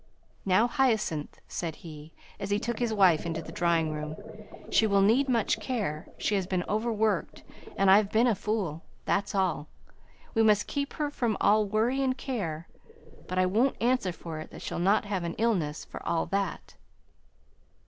"Now, Hyacinth," said he, as he took his wife into the drawing room, "she will need much care. She has been overworked, and I've been a fool. That's all. We must keep her from all worry and care, but I won't answer for it that she'll not have an illness, for all that!"